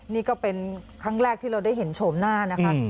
นี่ก็เป็นครั้งแรกที่เราได้เห็นโฉมหน้านะคะ